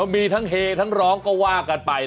มีทั้งเฮทั้งร้องก็ว่ากันไป